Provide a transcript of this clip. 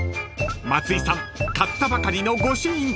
［松井さん買ったばかりの御朱印帳